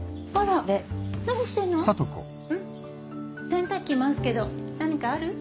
洗濯機回すけど何かある？